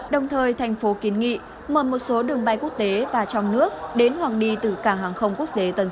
đồng thời thành phố kiến nghị mở một số đường bay quốc tế và trong nước đến hoàng đi từ cảng hàng không quốc tế tân sơn